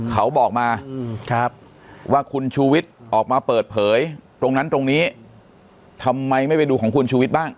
เขาบอกมาว่าคุณชูวิทย์ออกมาเปิดเผยตรงนั้นตรงนี้ทำไมไม่ไปดูของคุณชูวิทย์บ้าง